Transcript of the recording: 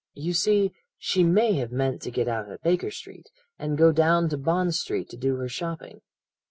You see, she may have meant to get out at Baker Street, and go down to Bond Street to do her shopping.